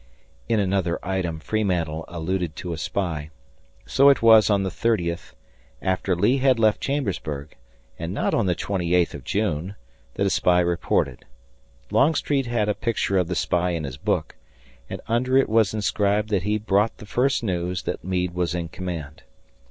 In another item Freemantle alluded to a spy. So it was on the thirtieth, after Lee had left Chambersburg, and not on the twenty eighth of June, that a spy reported. Longstreet had a picture of the spy in his book, and under it was inscribed that he brought the first news that Meade was in command.